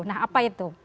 nah apa itu